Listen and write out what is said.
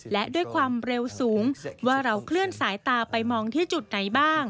และด้วยความเร็วสูงว่าเราเคลื่อนสายตาไปมองที่จุดไหนบ้าง